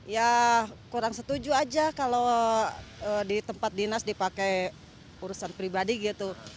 ya kurang setuju aja kalau di tempat dinas dipakai urusan pribadi gitu